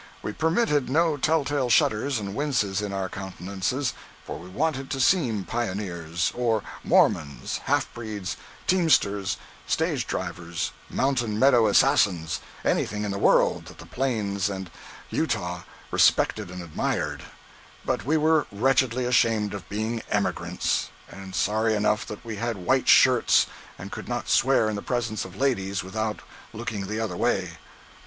We permitted no tell tale shudders and winces in our countenances, for we wanted to seem pioneers, or Mormons, half breeds, teamsters, stage drivers, Mountain Meadow assassins—anything in the world that the plains and Utah respected and admired—but we were wretchedly ashamed of being "emigrants," and sorry enough that we had white shirts and could not swear in the presence of ladies without looking the other way.